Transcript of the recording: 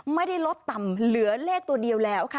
ไม่ได้ลดต่ำเหลือเลขตัวเดียวแล้วค่ะ